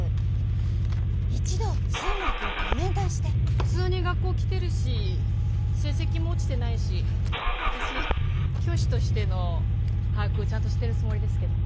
普通に学校来てるし成績も落ちてないし私教師としての把握をちゃんとしてるつもりですけど。